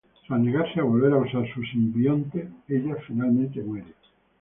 Tras negarse volver a usar su simbionte, ella finalmente muere.